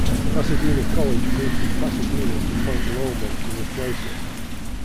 Pasadena College moved from Pasadena to Point Loma to replace it.